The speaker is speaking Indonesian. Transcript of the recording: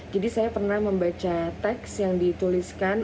jadi saya pernah membaca teks yang dituliskan